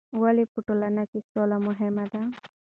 ولې په ټولنه کې سوله مهمه ده؟